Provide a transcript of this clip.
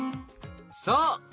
そう！